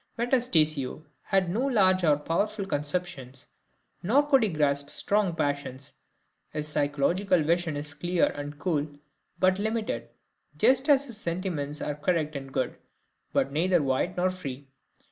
Metastasio had no large or powerful conceptions, nor could he grasp strong passions; his psychological vision is clear and cool, but limited, just as his sentiments are correct and good, but neither wide nor free.